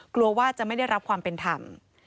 กลัวว่าจะไม่ได้รับความเป็นธรรม